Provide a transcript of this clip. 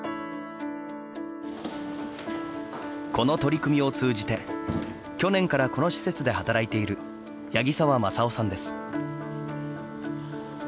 この取り組みを通じて去年からこの施設で働いている八木沢昌夫さんです。